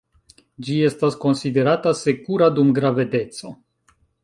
Ĝi estas konsiderata sekura dum gravedeco.